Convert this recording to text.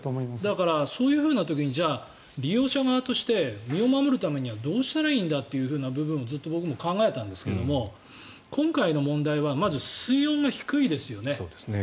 そういう時に利用者側として身を守るためにはどうしたらいいんだという部分を僕もずっと考えていたんですが今回の問題はまず水温が低いですよね。